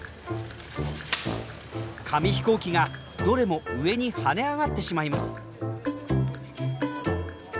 紙飛行機がどれも上に跳ね上がってしまいます。